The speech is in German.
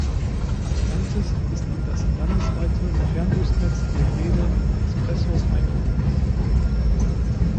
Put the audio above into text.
Abrantes ist in das landesweite Fernbusnetz der Rede Expressos eingebunden.